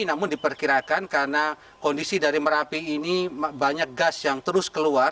namun diperkirakan karena kondisi dari merapi ini banyak gas yang terus keluar